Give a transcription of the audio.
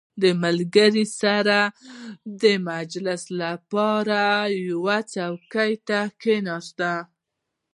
• د ملګرو سره د مجلس لپاره یوې چوکۍ ته کښېنه.